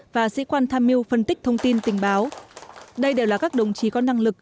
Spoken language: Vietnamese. và sĩ quan tham mưu phân tích thông tin tình báo đây đều là các đồng chí có năng lực